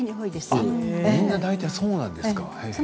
みんな大体そうなんですか？